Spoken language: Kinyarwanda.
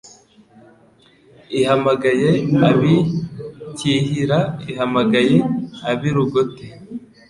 Ihamagaye ab'i Cyihira Ihamagaye ab'i Rugote,